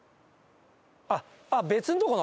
あっ別のとこの？